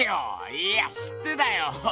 いや知ってたよ